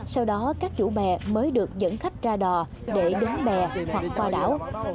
sau đó các chủ bè mới được dẫn khách ra đò để đến bè hoặc qua đảo